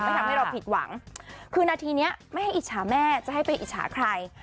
ทำให้เราผิดหวังคือนาทีนี้ไม่ให้อิจฉาแม่จะให้ไปอิจฉาใคร